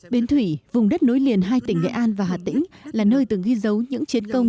bến thủy vùng đất nối liền hai tỉnh nghệ an và hà tĩnh là nơi từng ghi dấu những chiến công